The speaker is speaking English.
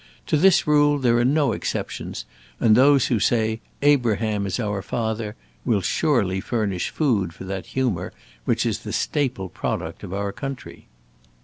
To this rule there are no exceptions, and those who say 'Abraham is our father' will surely furnish food for that humour which is the staple product of our country."